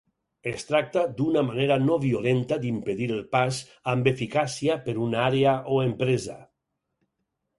Es tracta d'una manera no-violenta d'impedir el pas amb eficàcia per una àrea o empresa.